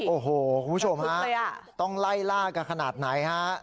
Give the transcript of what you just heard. โอ้โหคุณผู้ชมฮะต้องไล่ล่ากันขนาดไหนฮะ